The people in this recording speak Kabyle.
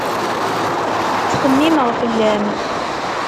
Ttxemmimeɣ fell-am